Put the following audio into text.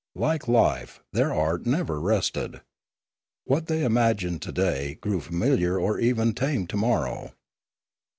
Like life, their art never rested. What they imagined to day grew familiar or even tame to morrow.